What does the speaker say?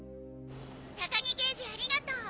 高木刑事ありがとう。